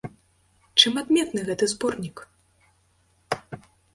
Чым адметны гэты зборнік?